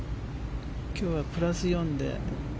今日はプラス４で。